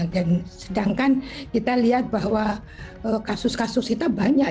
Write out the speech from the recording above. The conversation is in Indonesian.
dan sedangkan kita lihat bahwa kasus kasus kita banyak